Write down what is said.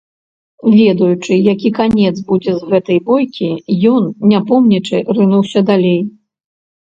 Ведаючы, які канец будзе з гэтай бойкі, ён, не помнячы, рынуўся далей.